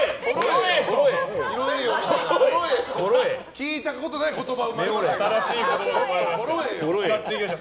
聞いたことがない言葉が生まれました。